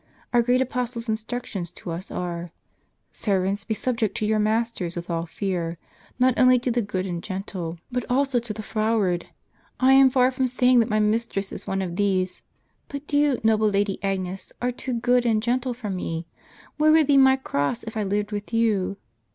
Our great Apostle's instructions to us are :' Servants be subject to your masters with all fear, not only to the good and gentle, but also to the froward.' f I am far from saying that my mistress * 1 Cor. Tii. 24. f 1 Pet. ii. 14. is one of these ; but you, noble Lady Agnes, are too good and gentle for me. Where would be my cross, if I lived with you